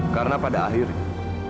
karena pada akhirnya